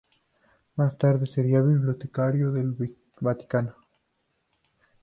Más tarde sería bibliotecario del Vaticano.